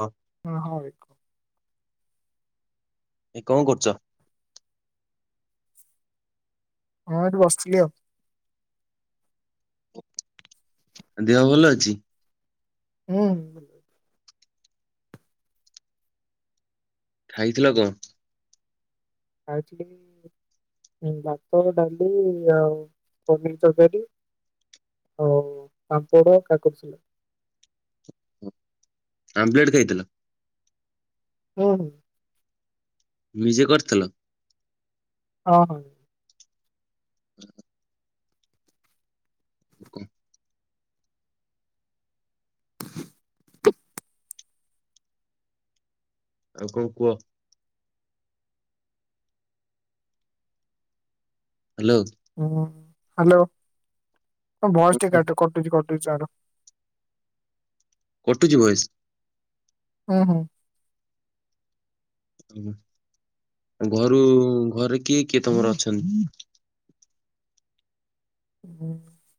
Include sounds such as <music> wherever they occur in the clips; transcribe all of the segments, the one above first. ହଁ। ହଁ- ହଁ ବେ। ଏ କଣ କରୁଛ? ହଁ ଏଇଠି ବସିଥିଲି ଆଉ। ଦେହ ଭଲ ଅଛି? ହୁଁ। ଖାଇଥିଲ କଣ? ଖାଇଥିଲି ଭାତ, ଡାଲି ଆଉ ପନିର ତରକାରୀ। ଆଉ ପାମ୍ପଡ, କାକୁଡ଼ି ସାଲାଡ୍। ଆମ୍ବଲେଟ୍ ଖାଇଥିଲ। ହୁଁ-ହୁଁ। ନିଜେ କରିଥିଲ? ହଁ। ଆଉ କଣ କୁହ? ହ୍ୟାଲୋ। ହୁଁ ହ୍ୟାଲୋ ଭଏସ୍ ଟିକେ କାଟୁ କଟୁଛି କଟୁଛି ଆର। କଟୁଚି ଭଏସ୍। ହଁ, ହଁ। <unintelligible> ଓ ଘରୁ ଘରେ କିଏ କିଏ ତୋମର ଅଛନ୍? ଗୁଁ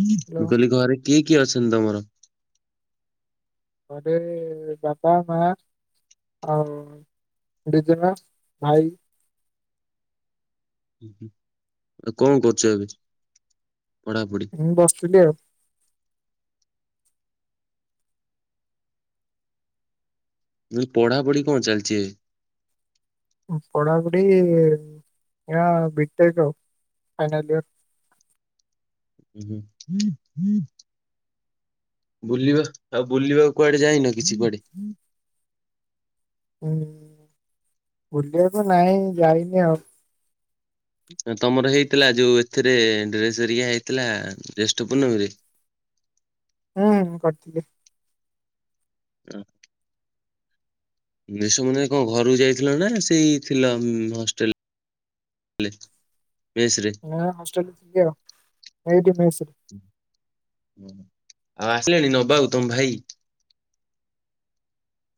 ମୁଁ କହିଲି ଘରେ କିଏ କିଏ ଅଛନ୍ତି ତୋମର? ଘରେ ବାପା, ମା ଆଉ ଜେଜେମା, ଭାଇ। ଉଁ, ହୁଁ, ଆଉ କଣ କରୁଛ ଏବେ ପଢାପଢି? ମୁଁ ବସିଥିଲି ଆଉ। ନାଇ ପଢାପଢି କଣ ଚାଲିଚି ଏ? ଓ ପଢ଼ାପୁଢ଼ି ଏଆ ବିଟେକ୍ ଫାଇନାଲିୟର୍। ଉଁ, ହୁଁ। ବୁଲିବା ଆଉ ବୁଲିବା କୁଆଡେ ଯାଇନ କିଛି କୁଆଡେ? ହୁଁ, ବୁଲିବାକୁ ନାଇଁ ଯାଇନି ଆଉ। ତୋମର ହେଇଥିଲା ଯୋଉ ଏଥିରେ ଡ୍ରେସ୍ ହେରିକା ହେଇଥିଲା ଜ୍ୟେଷ୍ଠ ପୂର୍ଣ୍ଣମୀରେ? ହଁ, ହଁ କରଥିଲି। ଆ, ଜ୍ୟେଷ୍ଠ ପୂର୍ଣ୍ଣିମାରେ କଣ ଘରକୁ ଯାଇଥିଲ ନା ସେଇ ଥିଲ ଉଁ, ହଷ୍ଟେଲ୍ ଲେ, ମେସ୍ ରେ ନା ହଷ୍ଟେଲ୍ ଯିବି ଆଉ ଏଇଠି ମେସ୍ ରେ। ଓହୋ ଆଉ ଆସିଲେଣି ନବାକୁ ତୋମ ଭାଇ?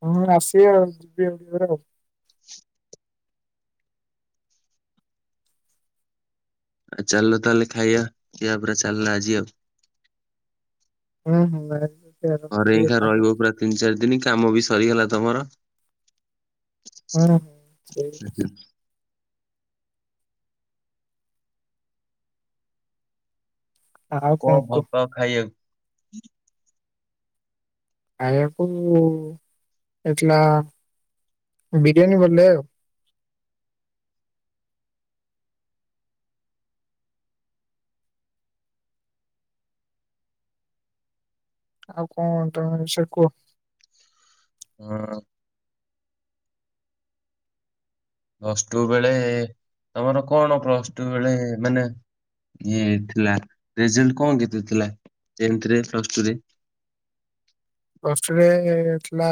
ହଁ ଆସିବେ ଆଉ ଯିବି ଆଉ ଟିକେ ପରେ ଆଉ। ଆଉ ଚାଲୁନ ତାହେଲେ ଖାଇବା ପିଇବା ପୁରା ଚାଲିଲା ଆଜି ଆଉ। ଅଁ, ହଁ <unintelligible> ଘରେ ଏକା ରହିବ ପୁରା ତିନି ଚାରି ଦିନ କାମ ବି ସରିଗଲା ତୋମର। ହଁ, ହଁ <unintelligible> ଆଉ କଣ ଭଲ କୁହ ପାଅ ଖାଇବାକୁ? ଖାଇଆକୁ ଏ ଛିଲା ବିରିୟାନୀ ଭଲ ଲାଗେ ଆଉ। ଆଉ କଣ ତୋମ ର ସେ କୁଅ। ହଁ। ପ୍ଲସ୍ ଟୁ ବେଳେ ତୋମର କଣ ପ୍ଲସ୍ ଟୁ ବେଳେ ମାନେ ଏଁ ଥିଲା ରେଜଲ୍ଟ କଣ କେତେ ଥିଲା ଟେନ୍ଥ ରେ ପ୍ଲସ୍ ଟୁ ରେ? ପ୍ଲସ୍ ଟୁ ରେ ଥିଲା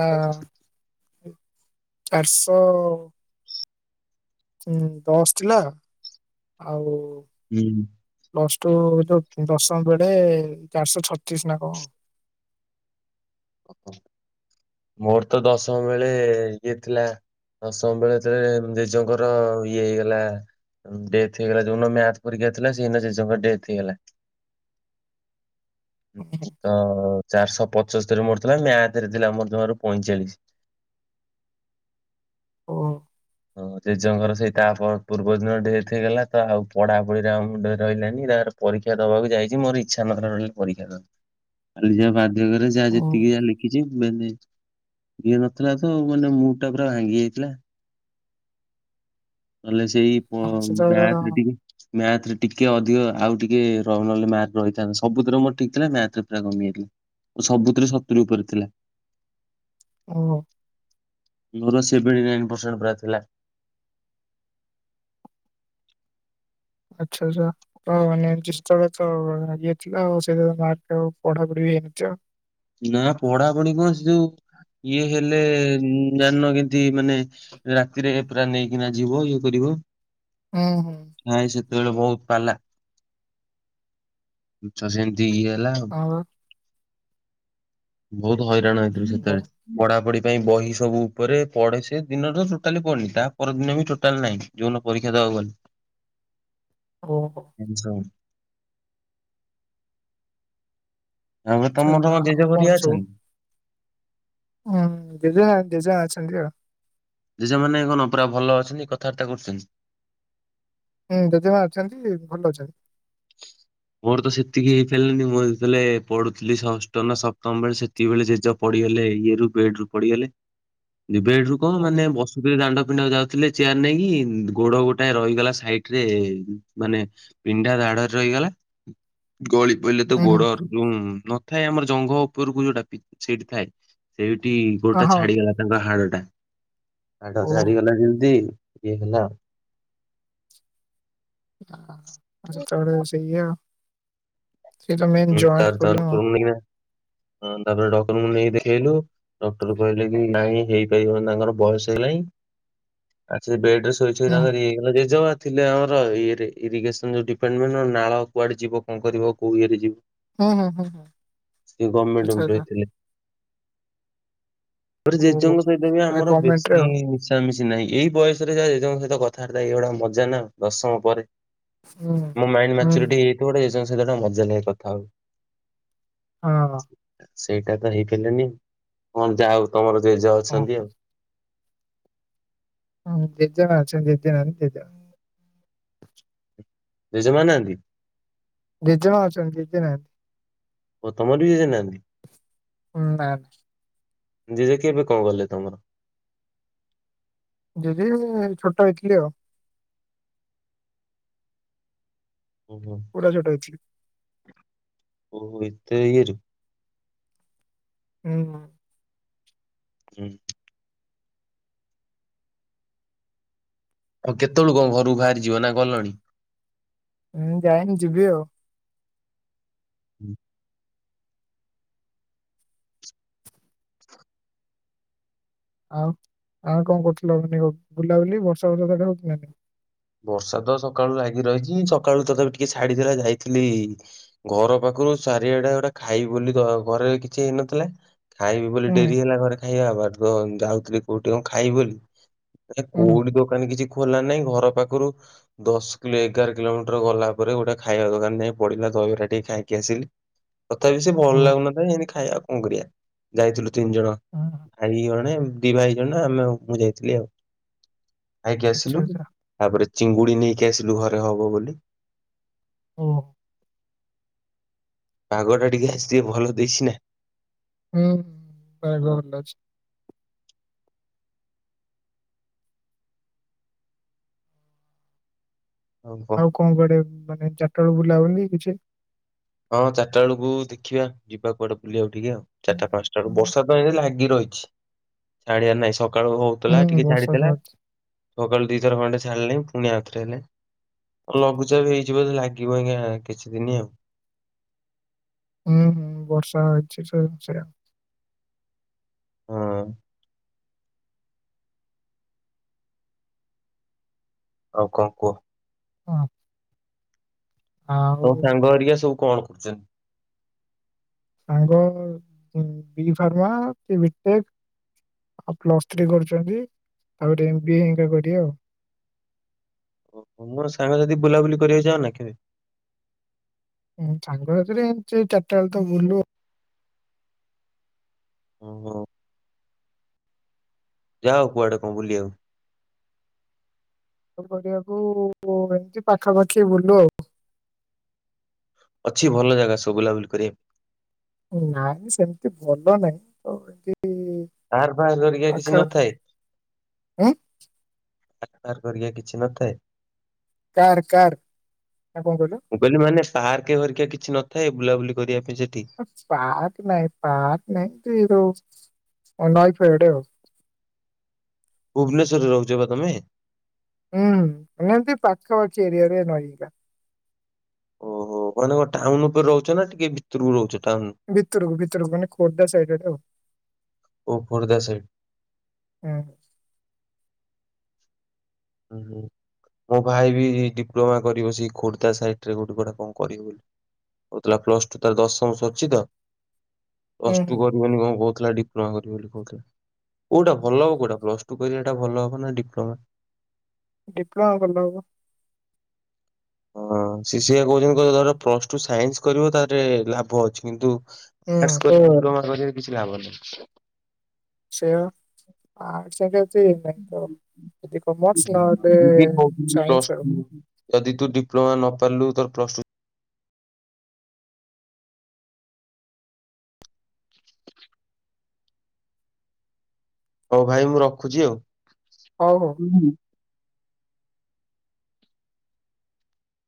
ଚାରଶଅ ହୁଁ, ଦଶ ଥିଲା, ଆଉ ହୁଁ। ପ୍ଲସ୍ ଟୁ ଯୋଉ ଉଁ, ଦଶମ ବେଳେ ଚାରଶହ ଛତିଶ ନା କଣ। <inaudible> ମୋର ତ ଦଶମ ବେଳେ ଇଏ ଥିଲା ଦଶମ ବେଳେ ଚେ-ଉଁ, ଜେଜେଙ୍କର ଇଏ ହେଇଗଲା ଅଁ, ଡେଥ୍ ହେଇଗଲା ଯୋଉନ ମ୍ୟାଥ୍ ପରୀକ୍ଷା ଥିଲା ସେଇନ ଜେଜେଙ୍କ ଡେଥ୍ ହେଇଗଲା। ତ ଚାରଶହ ପଚସ୍ତରୀ ମୋର ଥିଲା ମ୍ୟାଥ୍ ରେ ଥିଲା ମୋର ଜମାରୁ ପଇଁଚାଳିଶ। ଓହୋ! ହଁ ଜେଜେଙ୍କର ସେଇ ତା ପ-ପୂର୍ବ ଦିନ ଡେଥ୍ ହେଇଗଲା ତ ଆଉ ପଢା ପଢିରେ ଆଉ ମୁଣ୍ଡ ରହିଲାନି ତାର ପରୀକ୍ଷା ଦବାକୁ ଯାଇଚି ମୋର ଇଚ୍ଛା ନଥିଲା ଟୋଟାଲ। ପରୀକ୍ଷା ଦବାକୁ। ଖାଲି ଯାହା ବାଧ୍ୟକରେ ଯାହା ଯେତିକି ଓ ଯାହା ଲେଖିଚି ମେନେ ଇଏ ନଥିଲା ତ ମାନେ ମୁ ଟା ପୁରା ଭାଙ୍ଗି ଯାଇଥିଲା। ନହେଲେ ସେଇ ସେତେବେଳେ ପ-ମ୍ୟାଥ୍ ରେ ଟିକେ ମ୍ୟାଥ୍ ରେ ଟିକେ ଅଧିକ ଆଉ ଟିକେ ର-ନହଲେ ମାର୍କ ରହିଥାନ୍ତା। ସବୁଥିରେ ମୋର ଠିକ୍ ଥିଲା ମ୍ୟାଥ୍ ରେ ପୁରା କମିଯାଇଥିଲା। ଓ ସବୁଥିରେ ସତୁୁରି ଉପରେ ଥିଲା। ଏ ମୋ ମୋର ସେଭେଣ୍ଟି ନାଇନ୍ ପରସେଣ୍ଟ ପ୍ରାଏ ଥିଲା। ଆଛା ଜା ଅ ମାନେ <unintelligible> ଇଏଥିଲା, ଆଉ ସେ ମା ଆଉ ପଢାପୁଢି ହେଇନଥିଅ। ନା ପଢାପଢି କଣ ସେ ଯୋଉ, ଇଏ ହେଲେ ଜାଣନ, କେନ୍ତି ମାନେ ରାତିରେ ପୁରା ନେଇକିନା ଯିବ, ଇଏ କରିବ। ଉଁ ହୁଁ। ନାଇ ସେତେବେଳେ ବହୁତ ପାଲା। ଛୁଆ ସେମିତି ଇଏ ହେଲା। ଆଉ ହ ବା। ବହୁତ ହଇରାଣ ହେଇଥିଲୁ ବା। ସେତେବେଳେ। ପଢ଼ାପଢ଼ି ପାଇଁ ବହି ସବୁ ଉପରେ। ପଢ଼େ ସେ ଦିନତ ଟୁଟାଲି ପଡ଼ନି ତା ପରଦିନ ବି ଟୋଟାଲ ନାହିଁ। ଯଉ ନ ପରୀକ୍ଷା ଦବାକୁ ଗଲି। ଓହୋ! <inaudible> ତାପରେ ଆଛା, ତମର କଣ ଜେଜେ ଆଉ କଣ ଘରିକା ସବୁ? ଅଛନ୍ତି? ହୁଁ, ଜେଜା ଜେଜା ଅଛନ୍ତି ଆଉ। ଜେଜା ମାନେ କନ ପୁରା ଭଲ ଅଛନ୍ତି, କଥାବାର୍ତ୍ତା କରୁଛନ୍ତି? ହୁଁ, ଜେଜେମା ଅଛନ୍ତି, ଭଲ ଅଛନ୍ତି। ମୋର ତ ସେତିକି ହେଇଥିଲାନି। ମୁଁ ଯେତେଲେ ପଢୁଥିଲି ଷଷ୍ଠ ନା ସପ୍ତମ ବଳେ ସେ ତିକିବେଳେ ଜେଜ ପଡିଗଲେ ଇଏ ରୁ, ବେଡ଼ ରୁ ପଡିଗଲେ। ବେଡ ରୁ କଣ ହଉ ମାନେ ହଉ ବସ ଦାଣ୍ଡ ଫିଣ୍ଡାକୁ ଯାଉଥିଲେ ଚେୟାର ନେଇକି, ଗୋଡ ଗୋଟାଏ ରହିଗଲା ସାଇଟରେ, ମାନେ ପିଣ୍ଡା ଦାଢ଼ରେ ରହିଗଲା। ଗଳି ପଇଲେ ତ ହୁଁ ହୁଁ ଗୋଡରେ ଯଉଁ ନଥାଏ, ଆମର ଜଙ୍ଘ ଉପରକୁ ଯୋଉଟା ପି, ସେଇଠି ଥାଏ। ସେଇଠି ହଁ ଗୋଡ଼ଟା ହଁ ଛାଡିଗଲା। ତାଙ୍କ ହାଡ଼ଟା, ହାଡ଼ ଓହୋ। ଛାରିଗଲା ଯେମତି ଇଏ ହେଲା ଆଉ। ଆ ସେତେଳେ ସେଇୟା। ସେଇ ତ ମେନ୍ ହୁଁ ତାପରେ ଜଏଣ୍ଟ ତାଙ୍କ ପୋବ୍ଲେମ ଆଉ। ଡକ୍ଟରଙ୍କୁ ନେଇକିନା ହଁ, ତା'ପରେ ଡକରଙ୍କୁ ନେଇ ଦେଖେଇଲୁ। ଡକ୍ଟର କହିଲେ କି ନାଇଁ ହେଇପାରିବନି। ତାଙ୍କର ବୟସ ହେଇଗଲାଇଁ। ଆ ସେ ବେଡ଼ ଏ ଶୋଇ ଶୋଇ ହୁଁ ହୁଁ ତାଙ୍କର ଇଏ ହେଇଗଲା। ଜେଜେମା ଥିଲେ ଆମର ଇଏରେ, ଇରିଗେସନ୍ ଯୋଉ ଡିପାର୍ଟମେଣ୍ଟ ନୁହଁ, ନାଳ କୁଆଡେ ଯିବ, କଣ କରିବ, କୋଉ ଇଏରେ ଯିବ? ହୁଁ ହୁଁ ହୁଁ ହୁଁ ସେ ଗଭର୍ମେଣ୍ଟ ଆଚ୍ଛା ଆଚ୍ଛା ଏମ୍ପ୍ଲଇ ଥିଲେ। ପରେ, ଓହୋ ଜେଜେଙ୍କ ସହିତ ବି ଆମର ଗମେଣ୍ଟରେ ଆଉ। ବେଶୀ-ଇ ମିଶି ମିଶି ନାହିଁ। ଏଇ ବୟସରେ ଯାହା ଜେଜଙ୍କ ସହିତ କଥାଆର୍ତ୍ତା ଏଇଗୁଡା ମଜା ନା ଆଉ ଦଶମ ପରେ ହୁଁ ମୋ ମାଇଣ୍ଡ ହୁଁ ମାଚୁରିଟି ହେଇଥିବ, ଗୋଟେ ଜେଜଙ୍କ ସହିତ ଟେ ମଜା ନାଗେ କଥା ହାଉ। ହଁ। ସେଇଟା ତ ହେଇପାଇଲାନି ଆଉ। ଅଁ, ଯାହା ହଉ ତମର ଜେଜ ଅଛନ୍ତି ଓହୋ। ଆଉ। ହୁଁ, ଦି ଜଣ ଅଛନ୍ତି। ଦି ଜଣ ଦି ଜଣ। ଜେଜେମା ନାହାଁନ୍ତି? ଜେଜେ ମା ଅଛନି। ଜେଜେ ନାହାଁନ୍ତି। ଓ ତମର ବି ଜେଜେ ନାହାଁନ୍ତି? ଉଁ ନାହାଁନ୍ତି। ଜଜେ କେବେ କଣ ଗଲେ ତମର? ଜେଜେ-ଏ ଛୋଟ ହେଇଥିଲି ଆଉ। ଉ ହୁଁ। ପୁରା ଛୋଟ ହେଇଥିଲି। ଓ, ଏତେ ଇଏ ରେ। ହୁଁ, ଅ। ହୁଁ। ଆଉ, କେତେବେଳୁ କଣ ଘରୁ ବାହାରି ଯିବ ନା ଗଲଣି? ହୁଁ, ଯାଇନି, ଯିବି ଆଉ। ହୁଁ। ଆଉ ଆଉ କଣ କରୁଥିଲ ବୁଲାବୁଲି ବର୍ଷା ବର୍ଷା ସେଟେ ହଉଥିଲା <unintelligible> ବର୍ଷା ତ ସକାଳୁ ଲାଗି ରହିଚି ସକାଳୁ ତ ତଥାପି ଟିକେ ଛାଡିଥିଲା ଯାଇଥିଲି ଘର ପାଖରୁ ଚାରିଆଡା ଗୋଟା ଖାଇ ବୋଲି <unintelligible> ଘରେ କିଛି ହେଇନଥିଲା। ଖାଇବି ବୋଲି ହୁଁ ଡେରି ହେଲା ଘରେ ଖାଇବା ଭାତ ତ ଯାଉଥିଲି କୋଉଠି କ ଖାଇବି ବୋଲି। ଏ ହୁଁ କୋଉଠି ଦୋକାନ କିଛି ଖୋଲା ନାଇଁ ଘର ପାଖରୁ ଦଶ କିଲୋ ଏଗାର କିଲୋମିଟର ଗଲା ପରେ ଗୋଟେ ଖାଇବା ଦୋକାନ ଯାଇଁ ପଡିଲା ଦହିବରା ଟିକେ ଖାଇକି ଆସିଲି। ତଥାପି ସେ ଭଲ ଓହୋ ଲାଗୁନଥାଏ ଏତି ଖାଇବାଉ କଣ କରିବା ଯାଇଥିଲୁ ତିନି ଜଣ। ହଁ ହ। ଭାଇ ଜଣେ ଦି ଭାଇ ଜଣ ଆମେ ମୁଁ ଯାଇଥିଲି ଆଉ ଆଇକି ଆଚ୍ଛା ଆସିଲୁ। ଆଚ୍ଛା ତାପରେ ଚିଙ୍ଗୁଡି ନେଇକି ଆସିଲୁ ଘରେ ହବ ବୋଲି। ହ। ପାଗ ଟା ଟିକେ ଆଜି ଟିକେ ଭଲ ଦେଇଛି ନା। ହୁଁ ପାଗ ଭଲ ଅଛି। ଓହୋ। ଆଉ କଣ କୁଡେ ମାନେ ଚାରିଟା ବେଳେ ବୁଲା ବୁଲି କିଛି ହଁ ଚାରଟା ବେଳକୁ ଦେଖିବା ଯିବା କୁଆଡେ ବୁଲିବାକୁ ଟିକେ ଆଉ ଚିଟା ପାଞ୍ଚଟା ବେ ବର୍ଷା ତ ଲାଗ ରହିଚି ଛାଡିବାର ନାହିଁ ସକାଳୁ ହୋଉଥିଲା ହୁଁ ଟିକେ ବର୍ଷା ତ ଛାଡିଥିଲା। ଅଛି ସକାଳୁ ଦିଥର ଖଣ୍ଡେ ଛାଡିଲଣି ପୁଣି ହାତ <unintelligible> ଲଘୁଚାପ ହେଇଯିବ ଲାଗିବ ଗାଁ କିଛି ଦିନି ଆଉ। ହୁଁ ହୁଁ ବର୍ଷା ହେଇଚି ସେ ସେଇ ହଁ। ଆଉ କଣ କୁହ? ହଁ। ଆଉ ତମ ସାଙ୍ଗ ହେରିକା ସବୁ କଣ କରୁଚନ୍ତି? ସାଙ୍ଗ ବି ଫାର୍ମା କି ବିଟେକ୍ ଆଉ ପ୍ଲସ୍ ଥ୍ରୀ କରୁଛନ୍ତି ତାପରେ ଏମ ବି ଏ <unintelligible> ଓହୋ ମୋର ସାଙ୍ଗ ଯଦି ବୁଲାବୁଲି କରିବାକୁ ଚା <unintelligible> ସାଙ୍ଗ ସାଥିରେ ସେ ଚାରିଟା ବେଳେ ତ ବୁଲୁ ଆଉ। ଓହୋ। ଯାଉ କୁଆଡେ କଣ ବୁଲି ଆଉ। ପରିଆକୁ ଏମିତି ପାଖାପାଖି ବୁଲୁ ଆଉ ଅଛି ଭଲ ଜାଗା ସବୁ ବୁଲାବୁଲି କରି। ନାଇଁ ସେମିତି ଭଲ ନାଇଁ ତ ଏତି କାର ଫାର ହାରିକା କିଛି ନଥାଏ। ଉଁ କାର ଫାର ହରିକା କିଛି ନଥାଏ। କାର୍ କାର୍ ଆଉ କଣ କହିଲ? ମୁଁ କହିଲି ମାନେ ସାର୍କ ହରିକା କିଛି ନ ଥାଏ, ବୁଲାବୁଲି କରିବା ପାଇଁ ସେଠି? ପାହାଚ ନାଇଁ ପାକ୍ ନାଇଁ ତୁଇ <unintelligible> ଭୁବନେଶ୍ଵରରେ ରହୁଚ ପା ତମେ? ହୁଁ ଏମି <unintelligible> ତି ପାଖା ପାଖି ଏରିଆ ରେ <unintelligible> ଓହୋ ମାନେ କଣ ଟାଉନ ଉପରେ ରହୁଚ ନା ଟିକେ ଭିତୁରୁକୁ ରହୁଚ ଟାଉନ ଭିତରୁକୁ ଭିତରୁକୁ ମାନେ ଖୋର୍ଦ୍ଧା ସାଇଡ ଆଟେ ଆଉ। ଓ ଖୋର୍ଦ୍ଧା ସାଇଡ? ହଁ। ଉ ହୁଁ। ମୋ ଭାଇ ବି ଡିପ୍ଲୋମା କରିବ ସେଇ ଖୋର୍ଦ୍ଧା ସାଇଟ ରେ ଗୋଟେ ଗୁଟେ କଣ କରି <unintelligible> ହେଲା ପ୍ଲସ ଟୁ ତାର ଦଶମ ସରିଚି ତ। ହୁଁ ପସ୍ ଟୁ କରିବେନି କଣ କହୁଥିଲା ଡିପ୍ଲୋମା କରିବି ବୋଲି କହୁଥିଲା। କୋଉଟା ଭଲ ହୁଁ ହବ କୋଉଟା ପ୍ଲସ ଟୁ କହିଲେ ଏଟା ଭଲ ହବ ନା ଡିପ୍ଲୋମା? ଡିପ୍ଲୋମା କଲେ ହବ। ହଁ ସେ ସେଇଆ କହୁଚନ୍ତିି ଧର ପ୍ଲସ ଟୁ ସାଇନ୍ସ କରିବ ତାରେ ଲାଭ ଅଛି କିନ୍ତୁ ହୁଁ ଆର୍ଟ୍ସ <unintelligible> କିଛି ଲାଭ ନାହିଁ। ସେୟା ଆର୍ଟ୍ସ <unintelligible> ପ ହୁଁ। ଯଦି କମର୍ସ ନହେଲେ ପ୍ଲସ ସାଇନ୍ସ ଆଉ। ଟୁ ଯଦି ତୁ ଡିପ୍ଲୋମା ନ ପାରିଲୁ ତ ପ୍ଲସ ଟୁ <inaudible> ହଉ ଭାଇ ମୁଁ ରଖୁଛି ଆଉ। ହଉ‍‌ ହଉ। ଉ ହୁଁ ହୁଁ।